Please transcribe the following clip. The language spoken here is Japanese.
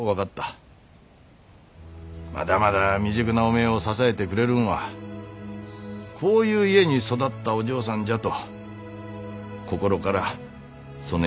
まだまだ未熟なおめえを支えてくれるんはこういう家に育ったお嬢さんじゃと心からそねえに思えた。